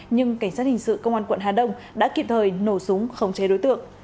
nhưng cảnh sát hình sự công an quận hà đông đã kịp thời nổ súng khống chế đối tượng